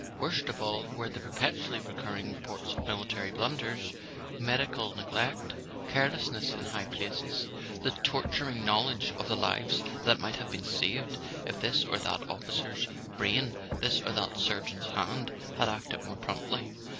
Worst of all were the perpetually recurring reports of military blunders, medical neglect, carelessness in high places: the tortur¬ ing knowledge of the lives that might have been saved [ 192 ] A SON AT THE FRONT if this or that officer's brain, this or that surgeon's hand, had acted more promptly.